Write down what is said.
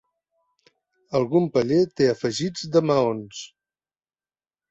Algun paller té afegits de maons.